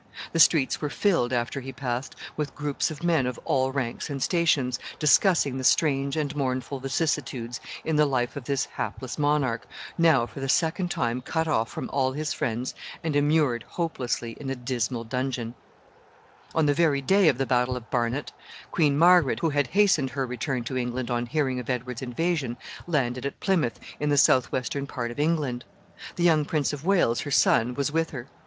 The streets were filled, after he had passed, with groups of men of all ranks and stations, discussing the strange and mournful vicissitudes in the life of this hapless monarch, now for the second time cut off from all his friends, and immured hopelessly in a dismal dungeon. [Illustration: STREET LEADING TO THE TOWER.] On the very day of the battle of Barnet, Queen Margaret, who had hastened her return to England on hearing of Edward's invasion, landed at Plymouth, in the southwestern part of England. The young Prince of Wales, her son, was with her.